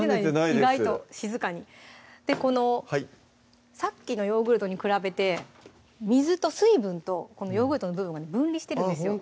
意外と静かにこのさっきのヨーグルトに比べて水と水分とヨーグルトの部分が分離してるんですよあっ